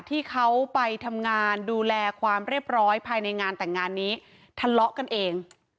ที่เขาไปทำงานดูแลความเรียบร้อยภายในงานแต่งงานนี้ทะเลาะกันเอง